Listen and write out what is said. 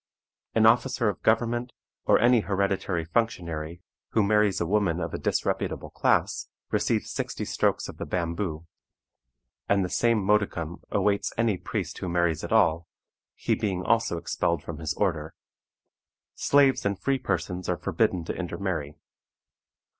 An officer of government, or any hereditary functionary, who marries a woman of a disreputable class, receives sixty strokes of the bamboo, and the same modicum awaits any priest who marries at all, he being also expelled from his order. Slaves and free persons are forbidden to intermarry.